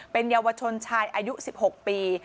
เป็นเยาวชนชายอายุ๑๖ปี